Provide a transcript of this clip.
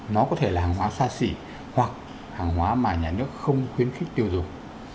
nó có thể là hàng hóa xa xỉ hoặc hàng hóa mà nhà nước không khuyến khích tiêu dùng